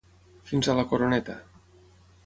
Fins a la coroneta.